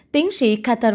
tiến sĩ katarzynski